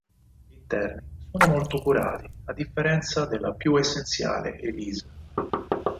Gli interni sono molto curati, a differenza della più essenziale Elise.